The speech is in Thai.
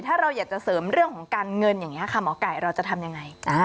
ถ้าเราอยากจะเสริมเรื่องของการเงินอย่างนี้ค่ะหมอไก่เราจะทำยังไง